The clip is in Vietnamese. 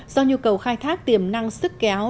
do nhu cầu khai thác tiềm năng sức kéo